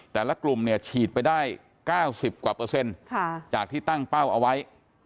แต่ละกลุ่มเนี่ยฉีดไปได้๙๐กว่าเปอร์เซ็นต์จากที่ตั้งเป้าเอาไว้